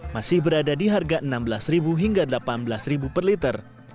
masih berada di harga rp enam belas hingga rp delapan belas per liter